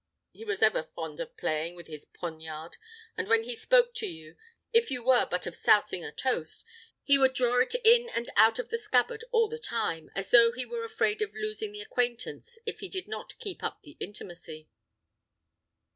He was ever fond of playing with his poniard; and when he spoke to you, if it were but of sousing a toast, he would draw it in and out of the scabbard all the time, as though he were afraid of losing the acquaintance if he did not keep up the intimacy."